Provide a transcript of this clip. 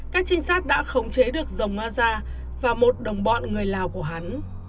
các trinh sát đã khống chế được dòng ma gia và một đồng bọn người lào của hắn